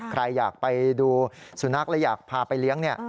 ใครอยากไปดูสุนัขและอยากพาไปเลี้ยง